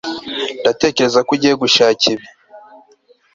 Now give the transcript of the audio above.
ndatekereza ko ugiye gushaka ibi